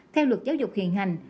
theo luật giáo dục hiện hành